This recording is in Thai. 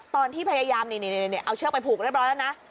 ตอนที่พยายามนี่เอาเชื่อมไทท์ผูกได้แล้วนะ